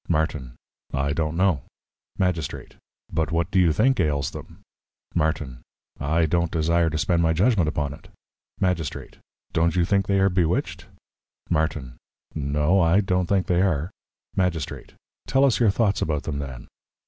Martin. I don't know. Magistrate. But what do you think ails them? Martin. I don't desire to spend my Judgment upon it. Magistrate. Don't you think they are bewitch'd? Martin. No, I do not think they are. Magistrate. Tell us your Thoughts about them then.